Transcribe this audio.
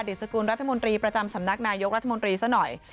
สกุลรัฐมนตรีประจำสำนักนายกรัฐมนตรีซะหน่อย